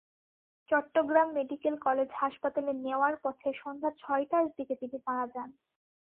Chittagong medical college হাসপাতালে নেওয়ার পথে সন্ধ্যা ছয়টার দিকে তিনি মারা যান।